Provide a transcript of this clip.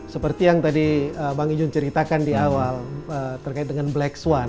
seperti yang tadi bang iyun ceritakan di awal terkait dengan black one